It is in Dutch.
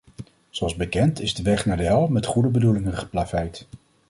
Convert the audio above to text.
Zoals bekend is de weg naar de hel met goede bedoelingen geplaveid.